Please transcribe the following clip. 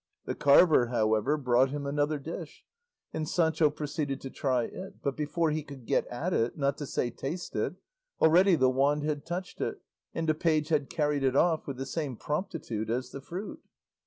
The carver, however, brought him another dish, and Sancho proceeded to try it; but before he could get at it, not to say taste it, already the wand had touched it and a page had carried it off with the same promptitude as the fruit.